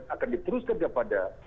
akan diteruskan kepada